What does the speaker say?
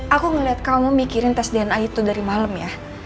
aku ngeliat kamu mikirin tes dna itu dari malam ya